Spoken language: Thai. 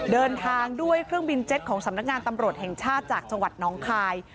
เดินทางด้วยเครื่องบินเจ็ตของสำนักงานตำรวจแห่งชาติจากจังหวัดน้องคาย